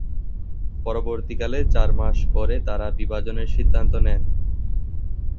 পরবর্তীকালে চার মাস পরে তারা বিভাজনের সিদ্ধান্ত নেন।